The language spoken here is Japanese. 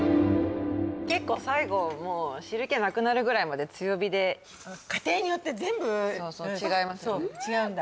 結構最後もう汁気なくなるぐらいまで強火で家庭によって全部違うんだ？